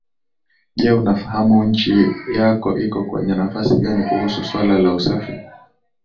Je unafahamu nchi yako iko kwenye nafasi gani kuhusu suala la usafi